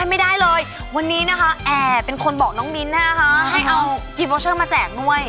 ไม่ได้เลยวันนี้นะคะแอร์เป็นคนบอกน้องมิ้นนะคะให้เอากิฟเวอร์เชอร์มาแจกด้วย